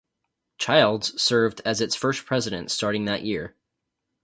Childs served as its first president starting that year.